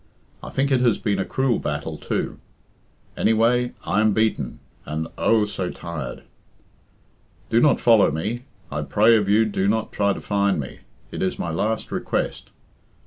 I think it has been a cruel battle too. Anyway, I am beaten, and oh! so tired. "Do not follow me. I pray of you do not try to find me. It is my last request.